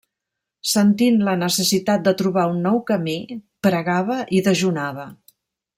Sentint la necessitat de trobar un nou camí, pregava i dejunava.